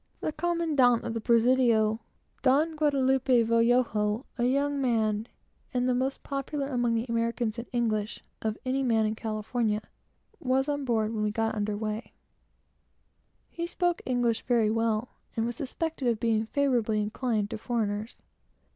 The commandant of the Presidio, Don Gaudaloupe Villego, a young man, and the most popular, among the Americans and English, of any man in California, was on board when we got under weigh. He spoke English very well, and was suspected of being favorably inclined to foreigners.